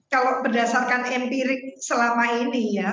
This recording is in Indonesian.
kalau berdasarkan empirik selama ini ya